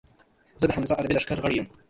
زۀ د حمزه ادبي لښکر غړے یم